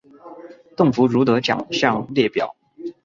邓福如的奖项列表